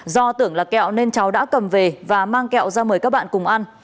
do tưởng là kẹo nên cháu đã cầm về và mang kẹo ra mời các bạn cùng ăn